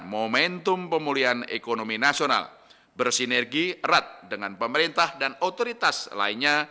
momentum pemulihan ekonomi nasional bersinergi erat dengan pemerintah dan otoritas lainnya